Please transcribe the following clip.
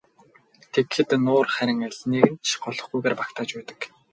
Тэгэхэд нуур харин алиныг нь ч голохгүйгээр багтааж байдаг.